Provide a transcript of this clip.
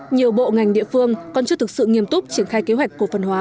nhiều bộ ngành địa phương còn chưa thực sự nghiêm túc triển khai kế hoạch cổ phần hóa